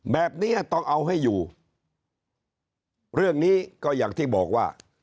แบบนี้ต้องเอาให้อยู่เรื่องนี้ก็อย่างที่บอกว่า